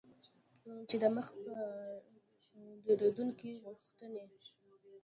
چې د مخ په ډیریدونکي غوښتنې